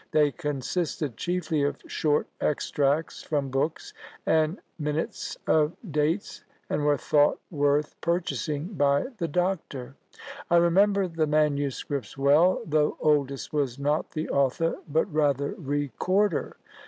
They consisted chiefly of short extracts from books, and minutes of dates, and were thought worth purchasing by the doctor. I remember the manuscripts well; though Oldys was not the author, but rather recorder."